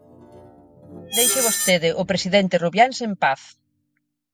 Deixe vostede o presidente Rubiáns en paz.